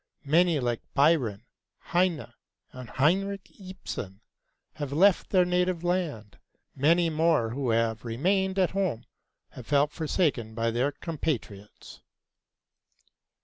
Many, like Byron, Heine, and Henrik Ibsen, have left their native land; many more who have remained at home have felt forsaken by their compatriots.